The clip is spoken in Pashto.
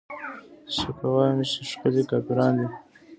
زه شکه وايمه چې ښکلې کافران دي